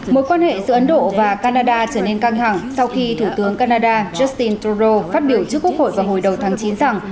mối quan hệ giữa ấn độ và canada trở nên căng hẳng sau khi thủ tướng canada justin trudeau phát biểu trước quốc hội vào hồi đầu tháng chín rằng